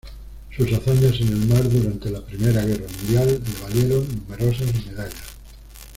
Sus hazañas en el mar durante la Primera Guerra Mundial le valieron numerosas medallas.